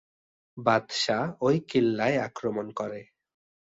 বাদশা ঐ কিল্লায় আক্রমণ করে।